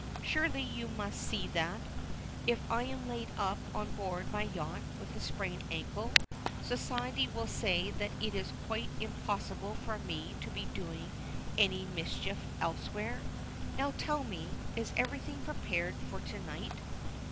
Surely you must see that, if I am laid up on board my yacht with a sprained ankle, Society will say that it is quite impossible for me to be doing any mischief elsewhere. Now, tell me, is everything prepared for to night?"